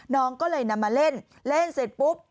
น้องก็เลยนำมาเล่นเล่นเสร็จปุ๊บ